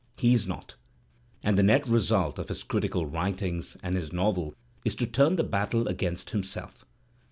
He is not, and the net result of his critical writings and his novels is to turn the battle against himself.